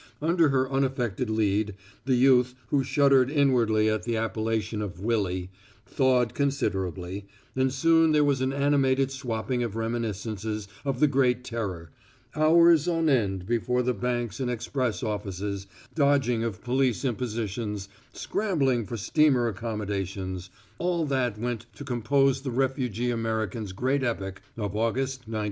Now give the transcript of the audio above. Under her unaffected lead the youth, who shuddered inwardly at the appellation of "Willy," thawed considerably, and soon there was an animated swapping of reminiscences of the Great Terror hours on end before the banks and express offices, dodging of police impositions, scrambling for steamer accommodations all that went to compose the refugee Americans' great epic of August, 1914.